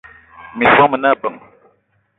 Miss mo mene ebeng.